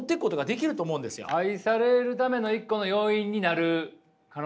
愛されるための一個の要因になる可能性があると。